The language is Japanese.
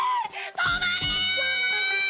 止まれ！！